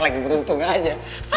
lagi beruntung aja